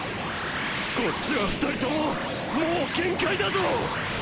こっちは２人とももう限界だぞ！